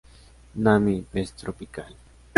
Nami: Pez tropical.